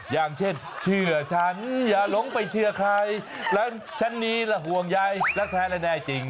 อย่างเช่นเชื่อฉันอย่าหลงไปเชื่อใครแล้วฉันนี้ล่ะห่วงใยรักแท้และแน่จริง